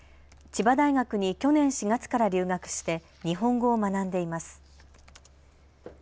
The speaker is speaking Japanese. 千葉大学に去年４月から留学して日本語を学んでいます。